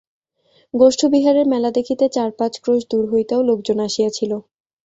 গোষ্ঠবিহারের মেলা দেখিতে চার-পাঁচ ক্রোশ দূর হইতেও লোকজন আসিয়াছিল।